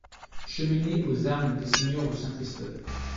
Cheminées aux armes des seigneurs de Saint-Christophe.